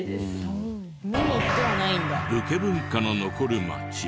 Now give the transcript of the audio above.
武家文化の残る町。